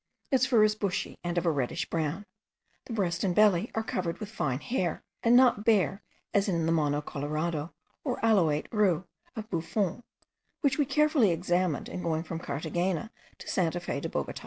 Its fur is bushy, and of a reddish brown; the breast and belly are covered with fine hair, and not bare as in the mono colorado, or alouate roux of Buffon, which we carefully examined in going from Carthagena to Santa Fe de Bogota.